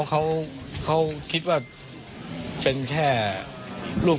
เค้าก็รู้เสียใจครับ